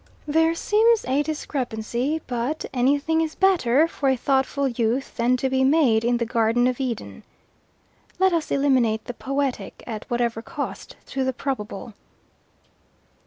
There seems a discrepancy, but anything is better for a thoughtful youth than to be made in the Garden of Eden. Let us eliminate the poetic, at whatever cost to the probable."